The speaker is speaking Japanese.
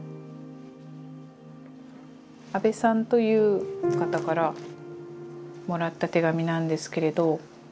阿部さんという方からもらった手紙なんですけれど。